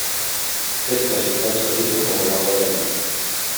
Es casi tan salino como el agua de mar.